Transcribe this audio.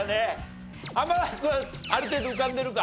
濱田君ある程度浮かんでるか？